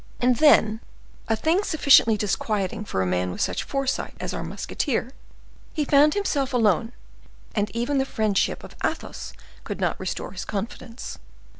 And then, a thing sufficiently disquieting for a man with such foresight as our musketeer, he found himself alone; and even the friendship of Athos could not restore his confidence.